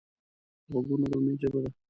غوږونه د امید ژبه ده